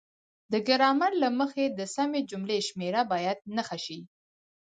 د ګرامر له مخې د سمې جملې شمیره باید نښه شي.